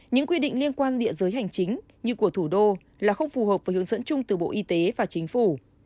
những quy định liên quan địa giới hành chính như của thủ đô là không phù hợp với hướng dẫn chung từ bộ y tế và chính phủ